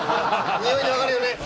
匂いで分かるよね。